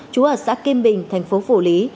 chú ở xã kim bình thành phố phủ lý